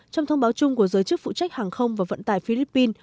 trong thông báo chung của giới chức phụ trách hàng không và vận tải philippines